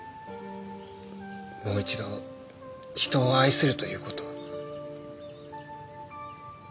もう一度人を愛するという事を。